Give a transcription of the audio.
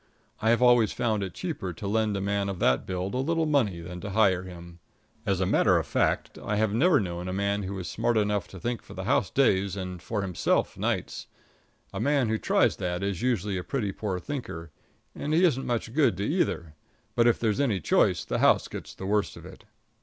I have always found it cheaper to lend a man of that build a little money than to hire him. As a matter of fact, I have never known a fellow who was smart enough to think for the house days and for himself nights. A man who tries that is usually a pretty poor thinker, and he isn't much good to either; but if there's any choice the house gets the worst of it.